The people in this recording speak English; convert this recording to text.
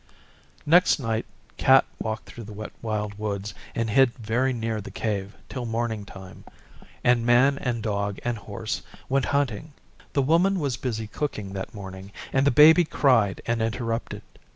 Next night Cat walked through the Wet Wild Woods and hid very near the Cave till morning time, and Man and Dog and Horse went hunting. The Woman was busy cooking that morning, and the Baby cried and interrupted.